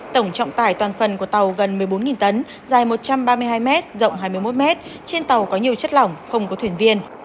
tổng trọng tải toàn phần của tàu gần một mươi bốn tấn dài một trăm ba mươi hai m rộng hai mươi một m trên tàu có nhiều chất lỏng không có thuyền viên